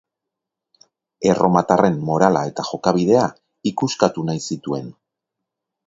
Erromatarren morala eta jokabidea ikuskatu nahi zituen.